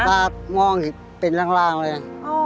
ตามองเป็นร่างเลย